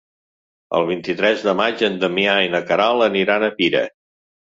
El vint-i-tres de maig en Damià i na Queralt aniran a Pira.